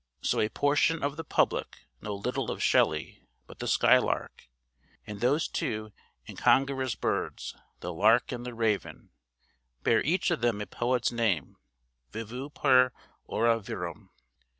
So a portion of the public know little of Shelley but the 'Skylark,' and those two incongruous birds, the lark and the raven, bear each of them a poet's name vivu' per ora virum.